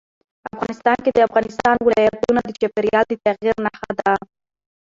افغانستان کې د افغانستان ولايتونه د چاپېریال د تغیر نښه ده.